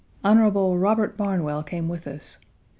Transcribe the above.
Hon. Robert Barnwell came with us.